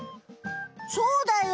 そうだよ！